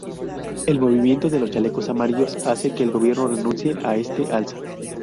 El movimiento de los Chalecos Amarillos hace que el gobierno renuncie a este alza.